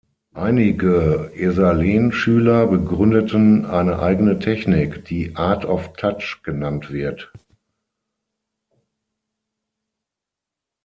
Einige Esalen-Schüler begründeten eine eigene Technik, die "Art of Touch" genannt wird.